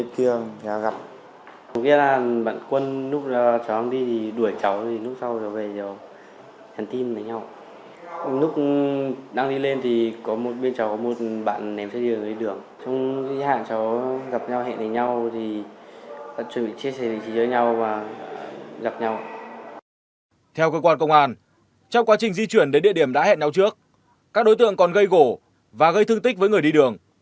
trong quá trình di chuyển đến địa điểm đã hẹn nhau trước các đối tượng còn gây gỗ và gây thương tích với người đi đường